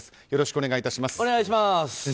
よろしくお願いします。